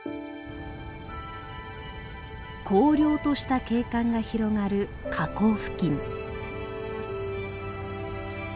荒涼とした景観が広がる火口付近。